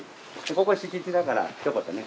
ここ敷地だからひと言ね。